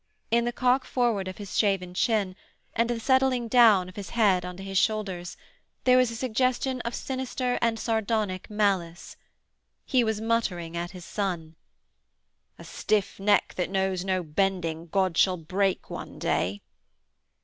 In the cock forward of his shaven chin, and the settling down of his head into his shoulders, there was a suggestion of sinister and sardonic malice. He was muttering at his son: 'A stiff neck that knows no bending, God shall break one day.'